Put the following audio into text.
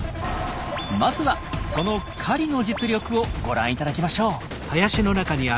まずはその狩りの実力をご覧いただきましょう。